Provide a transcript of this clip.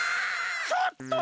ちょっと！